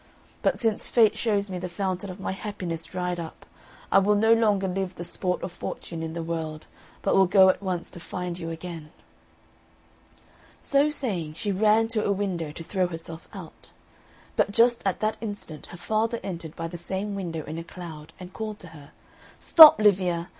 But since fate shows me the fountain of my happiness dried up, I will no longer live the sport of fortune in the world, but will go at once to find you again!" So saying, she ran to a window to throw herself out; but just at that instant her father entered by the same window in a cloud, and called to her, "Stop, Liviella!